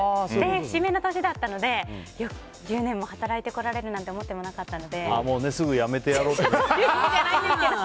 締めの年だったので１０年も働いてこられるなんてああ、すぐやめてやろうってね。